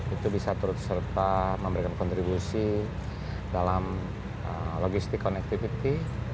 itu bisa turut serta memberikan kontribusi dalam logistik connectivity